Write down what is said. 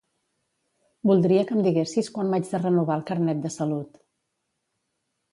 Voldria que em diguessis quan m'haig de renovar el Carnet de salut.